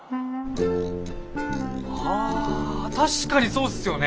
あ確かにそうっすよね。